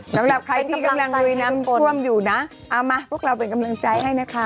สำหรับใครที่กำลังลุยน้ำท่วมอยู่นะเอามาพวกเราเป็นกำลังใจให้นะคะ